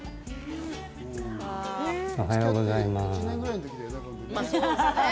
おはようございます。